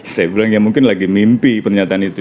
saya bilang ya mungkin lagi mimpi pernyataan itu